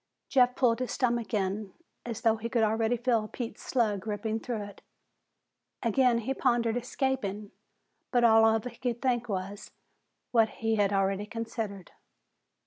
Jeff pulled his stomach in, as though he could already feel Pete's slug ripping through it. Again he pondered escaping, but all he could think of was what he had already considered.